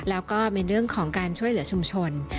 แล้วก็ในเรื่องของการช่วยเหลือชุมชน